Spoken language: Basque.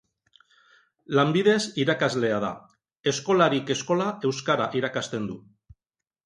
Lanbidez irakaslea da, eskolarik eskola euskara irakasten du.